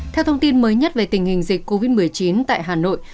theo thông tin mới nhất về tình hình dịch covid một mươi chín tại hà nội